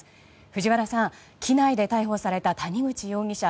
藤原さん、機内で逮捕された谷口容疑者